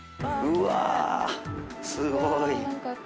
うわぁー、すごい。